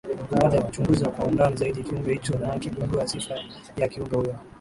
baada ya kuchunguza kwa undani zaidi Kiumbe hicho na kugundua sifa ya Kiumbe huyo